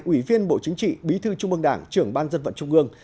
ủy viên bộ chính trị bí thư trung mương đảng trưởng ban dân vận trung ương